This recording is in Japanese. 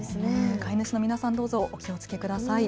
飼い主の皆さんどうぞお気をつけください。